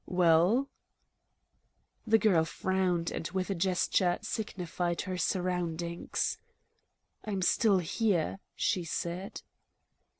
"Well?" The girl frowned, and with a gesture signified her surroundings. "I'm still here," she said.